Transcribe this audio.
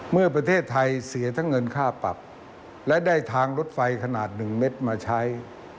เมื่อประเทศไทยเสียทั้งเงินค่าปรับและได้ทางรถไฟขนาด๑เม็ดมาใช้